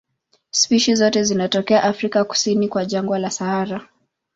Spishi zote zinatokea Afrika kusini kwa jangwa la Sahara.